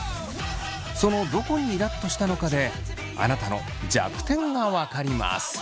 そのどこにイラっとしたのかであなたの弱点が分かります。